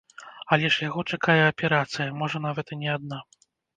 Але ж яго чакае аперацыя, можа нават і не адна.